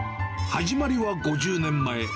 始まりは５０年前。